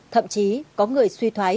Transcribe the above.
thậm chí có người suy thoái